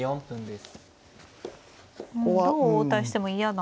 どう応対しても嫌な。